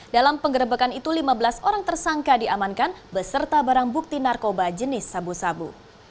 dalam penggerebekan itu lima belas orang tersangka diamankan beserta barang bukti narkoba jenis sabu sabu